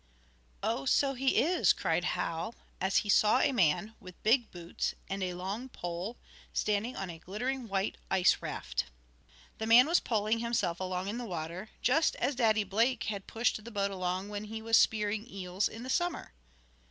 "Oh, so he is!" cried Hal, as he saw a man, with big boots and a long pole, standing on a glittering white ice raft. The man was poling himself along in the water, just as Daddy Blake had pushed the boat along when he was spearing eels in the Summer.